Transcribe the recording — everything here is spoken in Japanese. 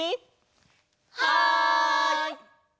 はい！